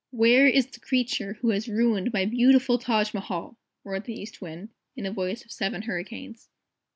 "Where is the creature who has ruined my beautiful Taj Mahal?" roared the East Wind, in a voice of seven hurricanes.